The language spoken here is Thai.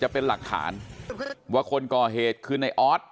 เป็นหลักฐานว่าคนก่อเหตุคือในออส